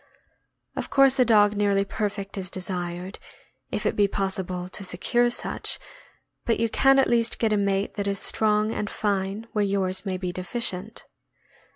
Of course a dog nearly perfect is desired, if it be possible to secure such, but you can at least get a mate that is strong and fine where yours may be deficient.